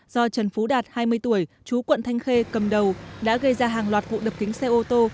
do trần phú đạt hai mươi tuổi chú quận thanh khê cầm đầu đã gây ra hàng loạt vụ đập kính xe ô tô